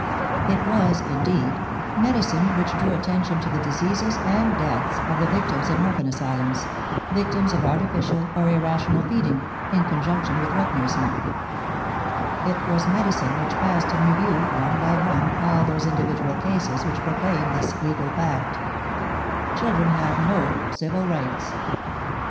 It was, indeed, medicine which drew attention to the diseases and deaths of the victims in orphan asylums, victims of artificial or irrational feeding, in conjunction with wet nursing; it was medicine which passed in review one by one all those individual cases which proclaim this legal fact: children have no civil rights.